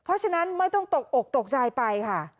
เพราะฉะนั้นไม่ต้องตกอกตกใจไปค่ะ